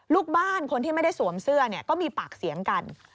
ลูกบ้านคนที่ไม่ได้สวมเสื้อก็มีปากเสียงกัน